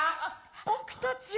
僕たちは。